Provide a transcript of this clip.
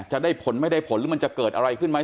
จะได้ผลไม่ได้ผลหรือมันจะเกิดอะไรขึ้นไหม